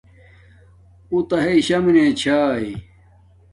اوݳ اݵتݳ ہݵئ شݳ مُنݺ چھݳئی.